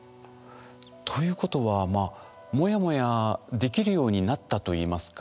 ということはまあモヤモヤできるようになったといいますか。